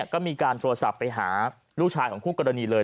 ก็มีการโทรศัพท์ไปหาลูกชายของคู่กรณีเลย